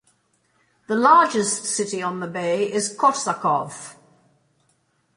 The largest city on the bay is Korsakov.